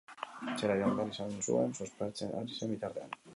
Etxera joan behar izan zuen, suspertzen ari zen bitartean.